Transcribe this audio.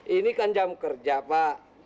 ini kan jam kerja pak